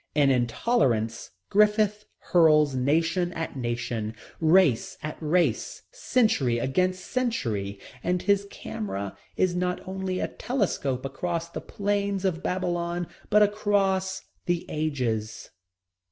In Intolerance, Griffith hurls nation at nation, race at race, century against century, and his camera is not only a telescope across the plains of Babylon, but across the ages.